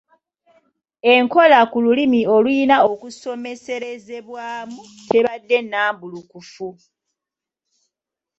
Enkola ku lulimi olulina okusomeserezebwamu tebadde nnambulukufu.